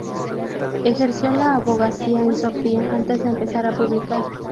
Ejerció la abogacía en Sofía antes de empezar a publicar.